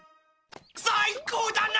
最高だな！